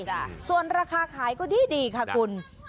ส่วนราคาขายก็ดีดีค่ะคุณ